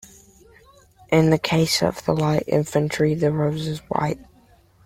In the case of the Light Infantry, the rose is white.